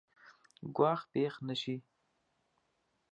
ګواښ پېښ نه شي.